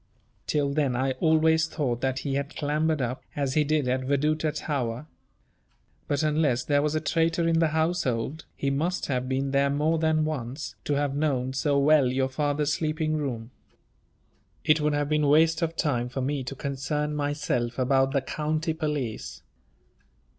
Till then I always thought that he had clambered up, as he did at Veduta tower. But unless there was a traitor in the household, he must have been there more than once, to have known so well your father's sleeping room. It would have been waste of time for me to concern myself about the county police.